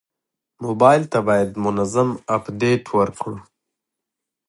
موبایل ته باید منظم اپډیټ ورکړو.